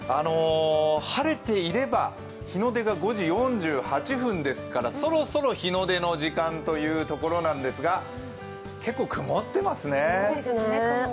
晴れていれば日の出が５時４８分ですからそろそろ日の出の時間というところなんですが、結構、曇ってますね。